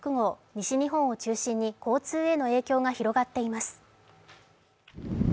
西日本を中心に交通への影響が広がっています。